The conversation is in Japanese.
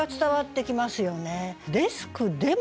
「デスクでも」